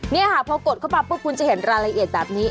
นี่ค่ะพอกดเข้ามาปุ๊บคุณจะเห็นรายละเอียดแบบนี้